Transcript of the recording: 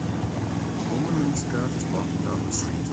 A woman in a skirt is walking down the street.